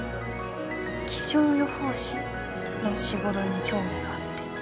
気象予報士の仕事に興味があって。